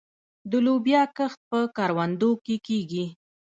د لوبیا کښت په کروندو کې کیږي.